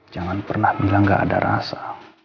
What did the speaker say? jangan pernah bilang gak ada rasa